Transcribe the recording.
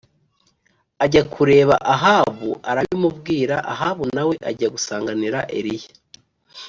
ajya kureba Ahabu arabimubwira Ahabu na we ajya gusanganira Eliya